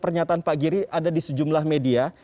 pernyataan pak giri ada di sejumlah media